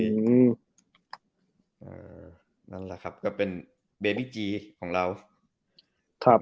นั่นแหละครับก็เป็นเบบี้กีสของเราครับ